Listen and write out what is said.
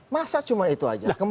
masa cuma itu aja